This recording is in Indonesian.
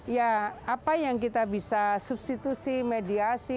ya apa yang kita bisa substitusi mediasi